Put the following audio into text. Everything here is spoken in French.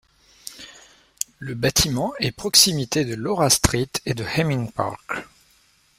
Le bâtiment est proximité de Laura Street, et de Hemming Park.